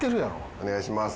お願いします。